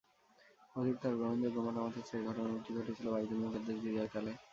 অধিকতর গ্রহণযোগ্য মতামত হচ্ছে—এ ঘটনাটি ঘটেছিল বায়তুল মুকাদ্দাস বিজয়কালে।